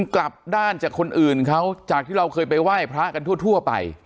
กลับด้านจากคนอื่นเขาจากที่เราเคยไปไหว้พระกันทั่วไป